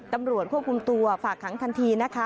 ตำรวจควบคุมตัวฝากขังทันทีนะคะ